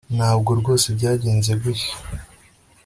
ntabwo rwose byagenze gutya